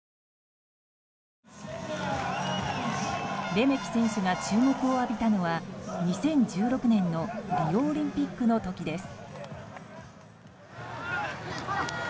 レメキ選手が注目を浴びたのは２０１６年のリオオリンピックの時です。